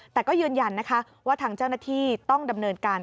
แต่ก็ยืนยันนะคะว่าทางเจ้าหน้าที่ต้องดำเนินการ